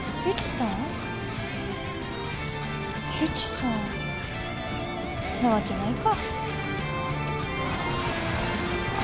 由岐さんなわけないか。